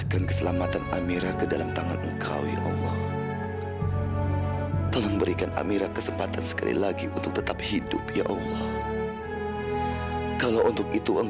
kadang kadang aku ngerasa jahat banget ben